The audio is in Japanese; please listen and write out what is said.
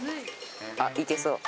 あっいけそう。